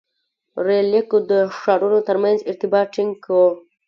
• رېل لیکو د ښارونو تر منځ ارتباط ټینګ کړ.